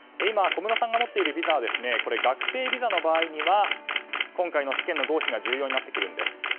今、小室さんが持っているビザは学生ビザの場合には今回の試験の合否が重要になってくるんです。